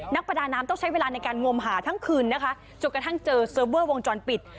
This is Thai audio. ประดาน้ำต้องใช้เวลาในการงมหาทั้งคืนนะคะจนกระทั่งเจอเซิร์ฟเวอร์วงจรปิด